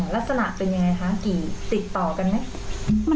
ลักษณะเป็นยังไงคะกี่ติดต่อกันไหม